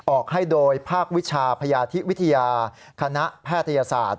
ออกให้โดยภาควิชาพยาธิวิทยาคณะแพทยศาสตร์